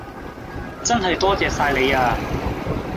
真係多謝晒你呀